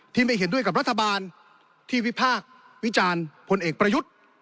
ไม่เห็นด้วยกับรัฐบาลที่วิพากษ์วิจารณ์พลเอกประยุทธ์